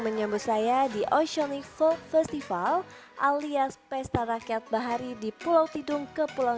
menyambut saya di oceanic folk festival alias pesta rakyat bahari di pulau tidung ke pulau